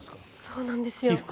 そうなんですよ。